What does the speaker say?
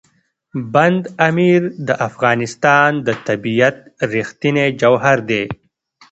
بند امیر د افغانستان د طبیعت رښتینی جوهر دی.